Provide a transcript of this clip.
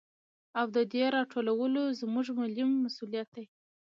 او د دې راټولو زموږ ملي مسوليت دى.